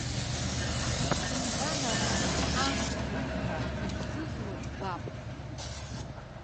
Шәсымбан ара, амбжьахқәа, ишәзызуа жәбап!